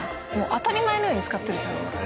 当たり前のように使ってるじゃないですか。